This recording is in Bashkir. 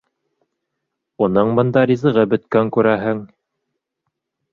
Уның бында ризығы бөткән, күрәһең...